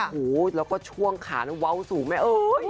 โหแล้วก็ช่วงขาวาวสูงแม่เออ